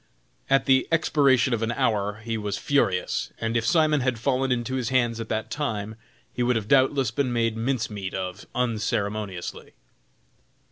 At the expiration of an hour he was furious, and if Simon had fallen into his hands at that time, he would have doubtless been made mince meat of unceremoniously.